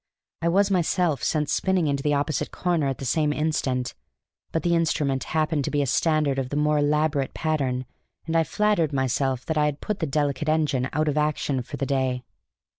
I was myself sent spinning into the opposite corner at the same instant. But the instrument happened to be a standard of the more elaborate pattern, and I flattered myself that I had put the delicate engine out of action for the day.